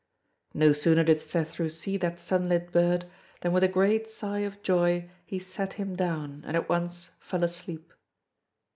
No sooner did Cethru see that sunlit bird, than with a great sigh of joy he sat him down, and at once fell asleep.